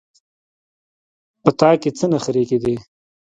په تا کې څه نخرې کېدې.